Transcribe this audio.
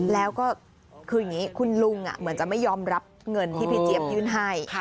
แล้วก็คืออย่างนี้คุณลุงเหมือนจะไม่ยอมรับเงินที่พี่เจี๊ยบยื่นให้